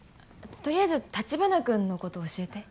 取りあえず橘君のこと教えて？